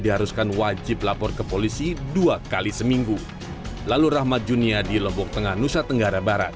diharuskan wajib lapor ke polisi dua kali seminggu lalu rahmat junia di lombok tengah nusa tenggara barat